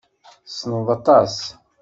Tessneḍ aṭas.